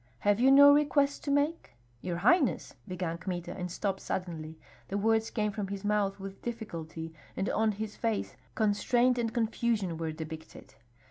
"Have you no request to make?" "Your highness," began Kmita, and stopped suddenly. The words came from his mouth with difficulty, and on his face constraint and confusion were depicted.